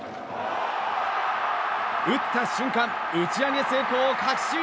打った瞬間打ち上げ成功を確信。